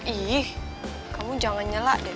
ih kamu jangan nyela deh